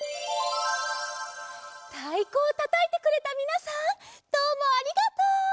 たいこをたたいてくれたみなさんどうもありがとう！